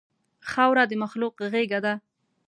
خاوره د مخلوق غېږه ده.